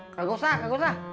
gak usah gak usah